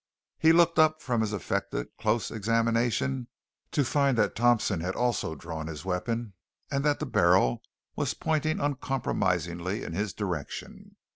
He looked up from his affected close examination to find that Thompson had also drawn his weapon and that the barrel was pointing uncompromisingly in his direction.